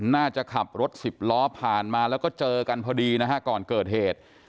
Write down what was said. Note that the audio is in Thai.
น่าจะขับรถสิบล้อผ่านมาแล้วก็เจอกันพอดีนะฮะก่อนเกิดเหตุ